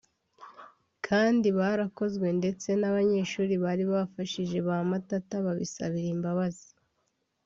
kandi barakozwe ndetse n’abanyeshuri bari bafashije ba Matata babisabira imbabazi